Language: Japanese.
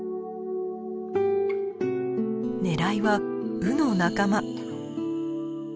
狙いはウの仲間。